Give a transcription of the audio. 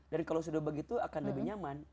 dan kalau sudah begitu akan lebih nyaman